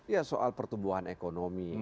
ya soal pertumbuhan ekonomi